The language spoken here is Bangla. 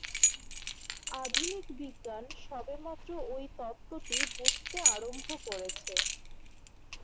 আধুনিক বিজ্ঞান সবেমাত্র ঐ তত্ত্বটি বুঝতে আরম্ভ করেছে।